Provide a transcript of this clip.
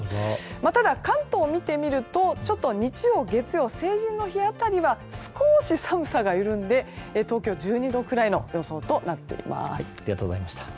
ただ、関東を見てみると日曜月曜、成人の日辺りは少し寒さが緩んで東京は１２度くらいの予想です。